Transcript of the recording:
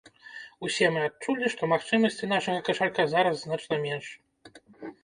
Усе мы адчулі, што магчымасці нашага кашалька зараз значна менш.